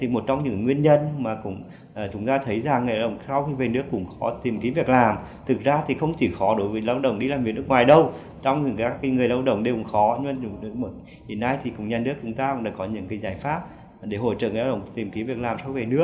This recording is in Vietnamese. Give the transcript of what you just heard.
một trong những nguyên nhân mà chúng ta thấy là người lao động sau về nước cũng khó tìm kiếm việc làm